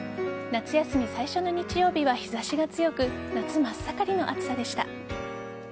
夏休み最初の日曜日は日差しが強く夏真っ盛りの暑さでした。